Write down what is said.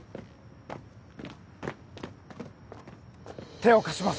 手を貸します